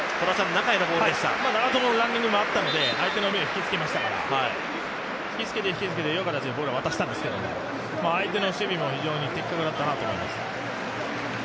長友のランニングもあったんで相手の目を引きつけましたから引きつけて、引きつけて、いい形でボールを渡したんですけど相手の守備も非常に的確だったなと思います。